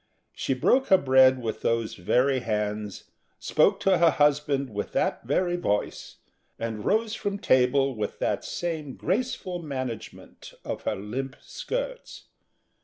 She broke her bread with those very hands; spoke to her husband with that very voice, and rose from table with that same graceful management of her limp skirts.